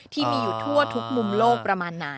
ที่มีอยู่ทั่วทุกมุมโลกประมาณไหน